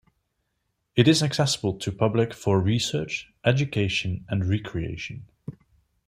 It is accessible to public for research, education and recreation.